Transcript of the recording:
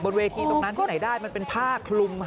เวทีตรงนั้นที่ไหนได้มันเป็นผ้าคลุม